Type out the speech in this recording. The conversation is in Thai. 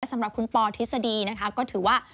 สำหรับคุณปอทฤษฎีนะคะก็ถือว่า